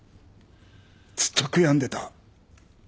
ずっと悔やんでた。